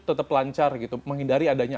tetap lancar gitu menghindari adanya